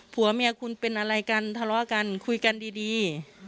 ผัวเมียคุณเป็นอะไรกันทะเลาะกันคุยกันดี